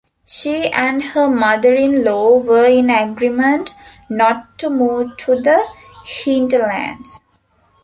She and her mother-in-law were in agreement not to move to the hinterlands.